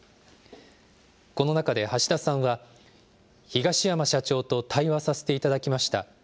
この中で橋田さんは、東山社長と対話させていただきました。